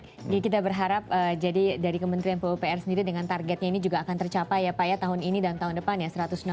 jadi kita berharap dari kementerian pupr sendiri dengan targetnya ini juga akan tercapai ya pak ya tahun ini dan tahun depan ya